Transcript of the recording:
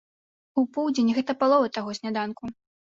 У поўдзень гэта палова таго сняданку.